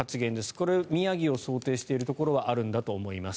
これ、宮城を想定しているところはあるんだと思います。